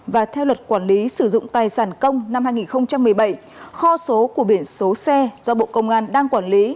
và theo luật quản lý sử dụng tài sản công năm hai nghìn một mươi bảy kho số của biển số xe do bộ công an đang quản lý